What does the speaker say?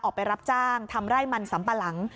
ออกไปรับจ้างทำไร่มันสำปะหลัง